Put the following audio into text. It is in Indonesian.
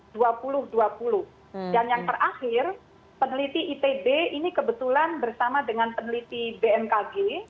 dan yang terakhir peneliti itb ini kebetulan bersama dengan peneliti bmkg